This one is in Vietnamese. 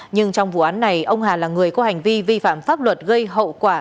nhưng trong vụ án này ông hà là người có hành vi vi phạm pháp luật gây hậu quả